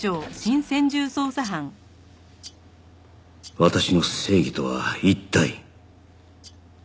私の正義とは一体